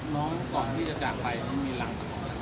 น้องต่อพี่จะจากใครที่มีรักสมอง